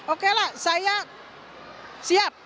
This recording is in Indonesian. oke lah saya siap